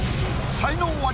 才能アリ？